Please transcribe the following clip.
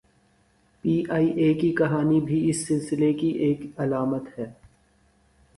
P I A کی کہانی بھی اس سلسلے کی ایک علامت ہے۔